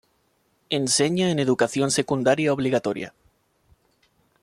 Enseña en Educación Secundaria Obligatoria.